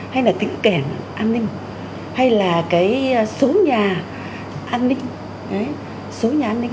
hay là tiếng kẻn an ninh hay là số nhà an ninh